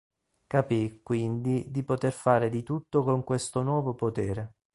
Capì, quindi, di poter fare di tutto con questo nuovo potere.